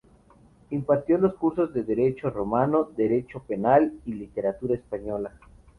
Impartió los cursos de Derecho Romano, Derecho Penal y Literatura española.